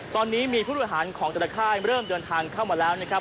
ตอนนี้มีผู้บริหารของแต่ละค่ายเริ่มเดินทางเข้ามาแล้วนะครับ